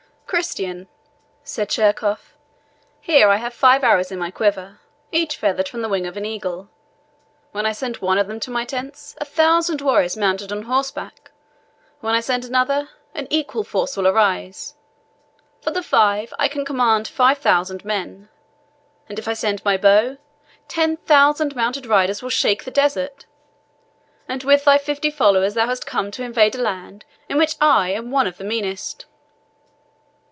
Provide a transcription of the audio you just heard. "Christian," said Sheerkohf, "here I have five arrows in my quiver, each feathered from the wing of an eagle. When I send one of them to my tents, a thousand warriors mount on horseback when I send another, an equal force will arise for the five, I can command five thousand men; and if I send my bow, ten thousand mounted riders will shake the desert. And with thy fifty followers thou hast come to invade a land in which I am one of the meanest!"